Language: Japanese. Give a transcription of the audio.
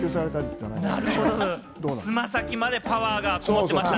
つま先までパワーがこもってましたね。